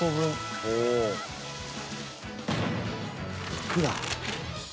いくら？